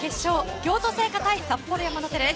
京都精華対札幌山の手です。